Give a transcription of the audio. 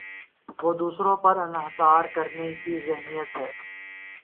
وہ دوسروں پر انحصار کرنے کی ذہنیت ہے۔